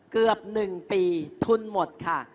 เกือบ๑ปีทุนหมดค่ะ